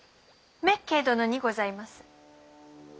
滅敬殿にございます。